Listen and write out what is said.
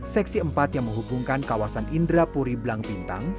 seksi empat yang menghubungkan kawasan indrapuri blang bintang